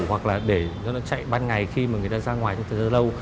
hoặc là để nó chạy ban ngày khi mà người ta ra ngoài trong thời gian lâu